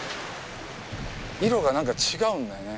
色が何か違うんだよね。